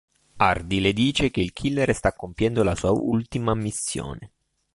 Hardy le dice che il killer sta compiendo la sua ultima missione.